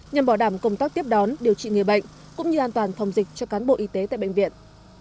nhằm bảo đảm công tác tiếp đón điều trị người bệnh cũng như an toàn phòng dịch cho cán bộ y tế tại bệnh viện